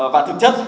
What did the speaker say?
và thực chất